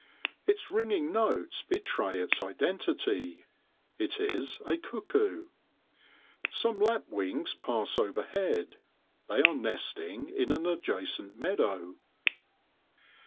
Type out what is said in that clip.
Its ringing notes betray its identity; it is a cuckoo. Some lapwings pass overhead : they are nesting in an adjacent meadow.